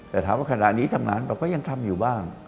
แต่ถามว่าขณะนี้ทำงานเปล่าก็ยังทำอยู่บ้าง